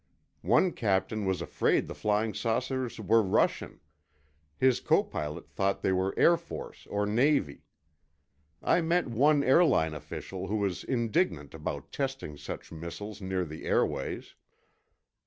One captain was afraid the flying saucers were Russian; his copilot thought they were Air Force or Navy. I met one airline official who was indignant about testing such missiles near the airways.